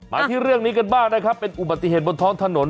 มาที่เรื่องนี้กันบ้างนะครับเป็นอุบัติเหตุบนท้องถนน